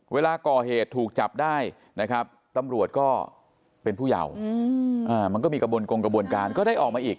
เวลาก่อเหตุถูกจับได้นะครับตำรวจก็เป็นผู้เยามันก็มีกระบวนกงกระบวนการก็ได้ออกมาอีก